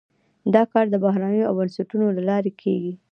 دا کار د بهیرونو او بنسټونو له لارې کیږي.